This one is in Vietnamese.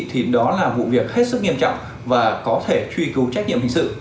thì đó là vụ việc hết sức nghiêm trọng và có thể truy cứu trách nhiệm hình sự